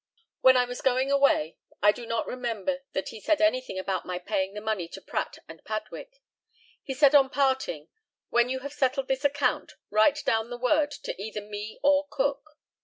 When I was going away I do not remember that he said anything about my paying the money to Pratt and Padwick. He said on parting, "When you have settled this account write down word to either me or Cook."